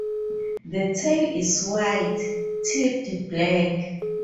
The tail is white, tipped black.